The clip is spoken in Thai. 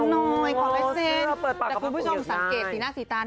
หน่อยขอลายเซ็นแต่คุณผู้ชมสังเกตสีหน้าสีตา